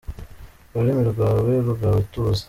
Ururimi rwawe rugaba ituze